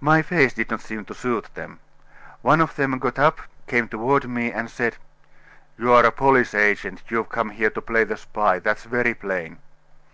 My face did not seem to suit them. One of them got up, came toward me, and said: 'You are a police agent; you've come here to play the spy; that's very plain.